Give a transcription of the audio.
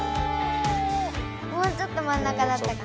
もうちょっとまん中だったかな。